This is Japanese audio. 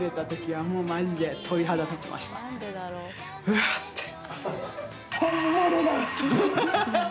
うわっ、て。